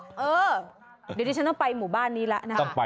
เดี๋ยวดิฉันต้องไปหมู่บ้านนี้แล้วนะครับ